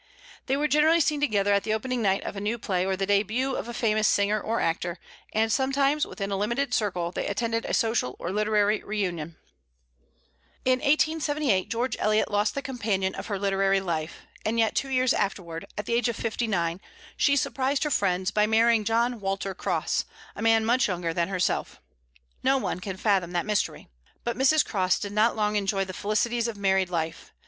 They were generally seen together at the opening night of a new play or the début of a famous singer or actor, and sometimes, within a limited circle, they attended a social or literary reunion. In 1878 George Eliot lost the companion of her literary life. And yet two years afterward at the age of fifty nine she surprised her friends by marrying John Walter Cross, a man much younger than herself. No one can fathom that mystery. But Mrs. Cross did not long enjoy the felicities of married life.